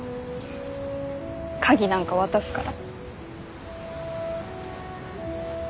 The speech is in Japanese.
鍵なんか渡すから。